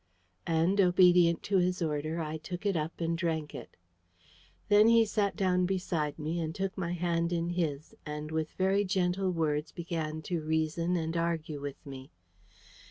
And, obedient to his order, I took it up and drank it. Then he sat down beside me, and took my hand in his, and with very gentle words began to reason and argue with me.